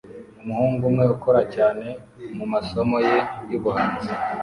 Umuhungu umwe ukora cyane mumasomo ye yubuhanzi